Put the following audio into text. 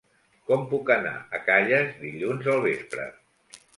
Com puc anar a Calles dilluns al vespre?